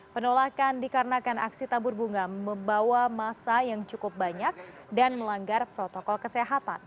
penolakan dikarenakan aksi tabur bunga membawa masa yang cukup banyak dan melanggar protokol kesehatan